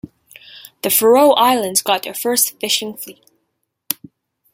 The Faroe Islands got their first fishing fleet.